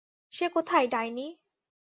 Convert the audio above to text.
সে কোথায়, ডাইনি?